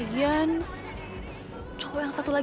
apaan sih dong rata rata